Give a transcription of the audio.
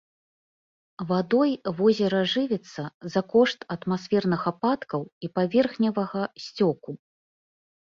Вадой возера жывіцца за кошт атмасферных ападкаў і паверхневага сцёку.